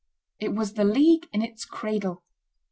It was the League in its cradle.